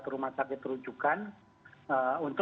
mengubah rawatan ke companion virus nya